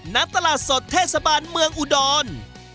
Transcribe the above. ณตลาดสดเทศบาลเมืองอุดร